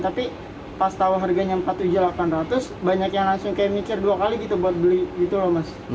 tapi pas tau harganya rp empat delapan ratus banyak yang langsung kayak mikir dua kali gitu buat beli gitu loh mas